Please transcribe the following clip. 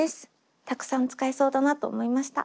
たくさん使いそうだなと思いました。